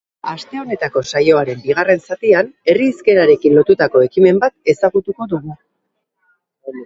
Aste honetako saioaren bigarren zatian, herri hizkerarekin lotutako ekimen bat ezagutuko dugu.